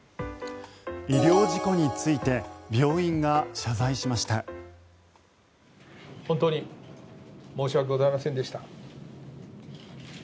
医療事故について病院が謝罪しました。